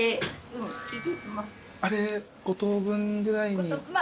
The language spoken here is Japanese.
あれ５等分ぐらいに。